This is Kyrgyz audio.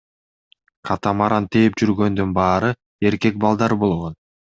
Катамаран тээп жүргөндүн баары эркек балдар болгон.